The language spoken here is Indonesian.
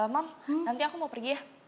mam nanti aku mau pergi ya